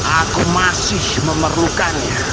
aku masih memerlukannya